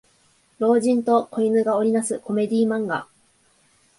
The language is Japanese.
老人と子犬が織りなすコメディ漫画